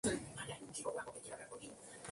Finalizó como Miss Bolivia Mundo.